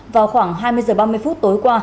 vào khoảng hai mươi h ba mươi phút tối qua